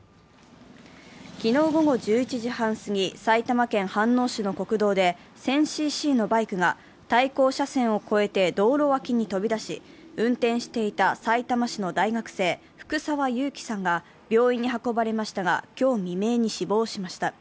昨日午後１１時半すぎ、埼玉県飯能市の国道で、１０００ｃｃのバイクが対向車線を越えて道路脇に飛び出し、運転していたさいたま市の大学生、福沢勇貴さんが病院に運ばれましたが、今日未明に死亡しました。